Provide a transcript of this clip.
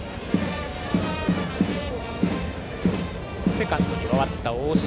セカンドに回った大城。